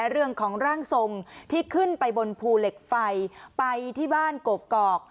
เรื่องของร่างทรงที่ขึ้นไปบนภูเหล็กไฟไปที่บ้านกกอก